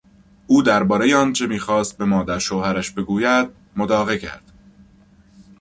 او دربارهی آنچه میخواست به مادر شوهرش بگوید مداقه کرد.